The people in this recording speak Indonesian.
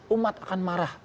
umat akan marah